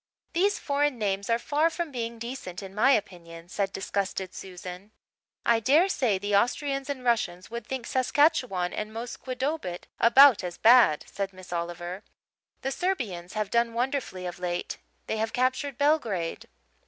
"These foreign names are far from being decent, in my opinion," said disgusted Susan. "I dare say the Austrians and Russians would think Saskatchewan and Musquodoboit about as bad, Susan," said Miss Oliver. "The Serbians have done wonderfully of late. They have captured Belgrade."